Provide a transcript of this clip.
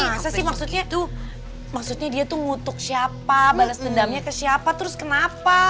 masa sih maksudnya dia tuh ngutuk siapa bales dendamnya ke siapa terus kenapa